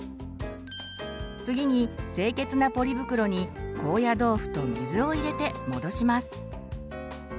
次に清潔なポリ袋に高野豆腐と水を入れて戻します。